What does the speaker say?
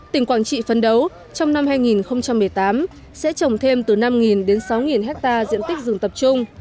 tỉnh quảng trị phấn đấu trong năm hai nghìn một mươi tám sẽ trồng thêm từ năm đến sáu hectare diện tích rừng tập trung